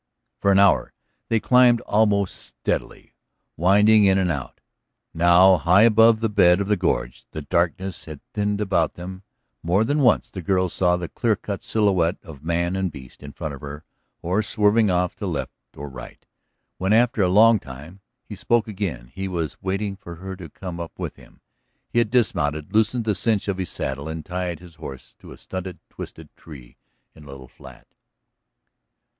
For an hour they climbed almost steadily, winding in and out. Now, high above the bed of the gorge, the darkness had thinned about them; more than once the girl saw the clear cut silhouette of man and beast in front of her or swerving off to right or left. When, after a long time, he spoke again he was waiting for her to come up with him. He had dismounted, loosened the cinch of his saddle and tied his horse to a stunted, twisted tree in a little flat.